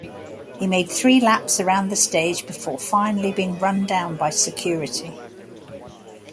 He made three laps around the stage before finally being run down by security.